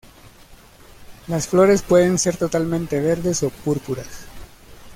Las flores pueden ser totalmente verdes o púrpuras.